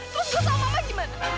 terus lu sama mama gimana